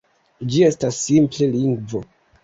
Ĝi estas simple lingvo.